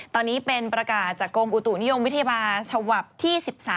ตอนนี้เป็นประกาศจากกรมอุตุนิยมวิทยาฉบับที่๑๓